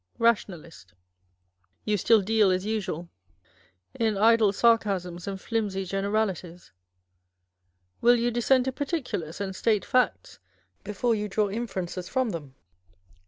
nationalist. You still deal, as usual, in idle sarcasms and flimsy generalities. Will you descend to particulars, and state facts before you draw inferences from them